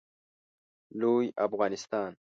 لوی افغانستان